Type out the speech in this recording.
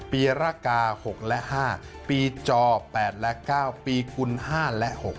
ปีรกา๖และ๕ปีจ๘และ๙ปีคุณ๕และ๖๖